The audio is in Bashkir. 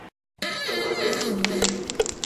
Ырыуһыҙ үҫтек бит